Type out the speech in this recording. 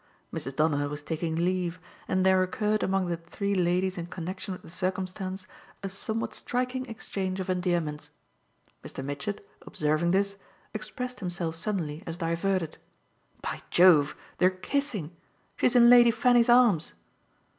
Mrs. Donner was taking leave, and there occurred among the three ladies in connexion with the circumstance a somewhat striking exchange of endearments. Mr. Mitchett, observing this, expressed himself suddenly as diverted. "By Jove, they're kissing she's in Lady Fanny's arms!"